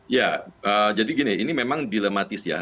ya jadi gini ini memang dilematis ya